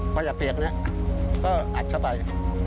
ขยะเปียกนนี้ก็อัดเข้าไป